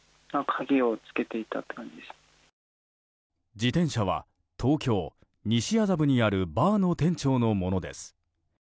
自転車は、東京・西麻布にあるバーの店長のものです。